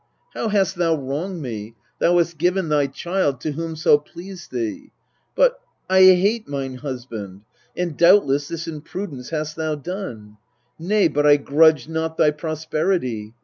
How hast thou wronged me ? Thou hast given thy child To whomso pleased thee. But I hate mine husband : And, doubtless, this in prudence hast thou done ? Nay, but I grudge not thy prosperity.